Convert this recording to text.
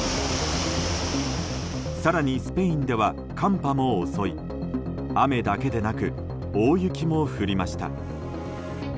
更にスペインでは、寒波も襲い雨だけでなく大雪も降りました。